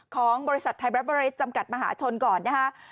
ของบริษัทไทยแรปเวอริสจำกัดมหาชนก่อนนะฮะ